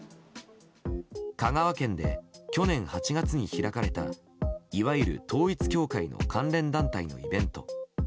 香川県で去年８月に開かれたいわゆる統一教会の関連団体のイベント。